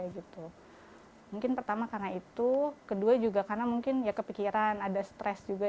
gitu mungkin pertama karena itu kedua juga karena mungkin ya kepikiran ada stres juga